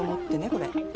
これ。